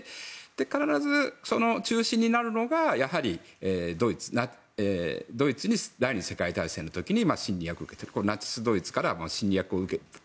必ず、その中心になるのがドイツに第２次世界大戦の時に侵略を受けてナチスドイツから侵略を受けた。